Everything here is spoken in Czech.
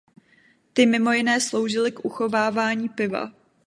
Ty mimo jiné sloužily k uchovávání piva.